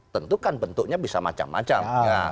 tentu kan bentuknya bisa macam macam